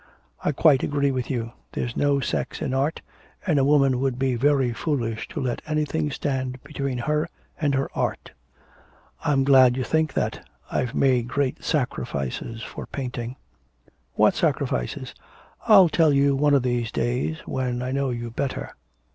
'I quite agree with you. There's no sex in art, and a woman would be very foolish to let anything stand between her and her art.' 'I'm glad you think that. I've made great sacrifices for painting.' 'What sacrifices?' 'I'll tell you one of these days when I know you better.'